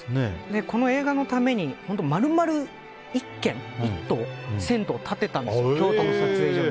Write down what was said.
この映画のために、丸々１棟銭湯を建てたんです京都の撮影所に。